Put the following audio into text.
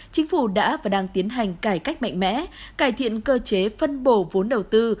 chính phủ đã và đang tiến hành cải cách mạnh mẽ cải thiện cơ chế phân bổ vốn đầu tư